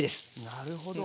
なるほど。